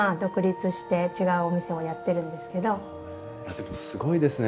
でもすごいですね